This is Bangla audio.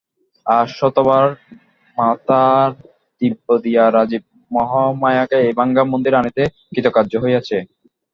আজ শতবার মাথার দিব্য দিয়া রাজীব মহামায়াকে এই ভাঙা মন্দিরে আনিতে কৃতকার্য হইয়াছে।